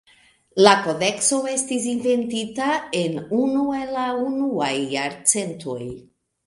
La kodekso estis inventita en unu el la unuaj jarcentoj.